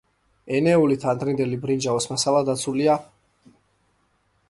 ენეოლით-ადრინდელი ბრინჯაოს მასალა დაცულია აკად.